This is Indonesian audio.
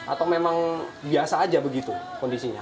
atau memang biasa saja begitu kondisinya